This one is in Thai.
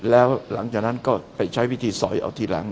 แล้วหลังจากนั้นก็ไปใช้วิธีสอยเอาทีหลัง